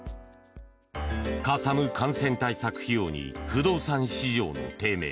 かさむ感染対策費用に不動産市場の低迷。